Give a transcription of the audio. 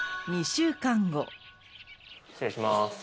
失礼します